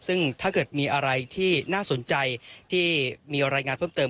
ซึ่งถ้าเกิดมีอะไรที่น่าสนใจที่มีรายงานเพิ่มเติม